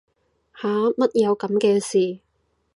吓乜有噉嘅事